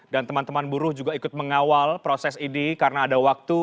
dan teman teman buruh juga ikut mengawal proses ini karena ada waktu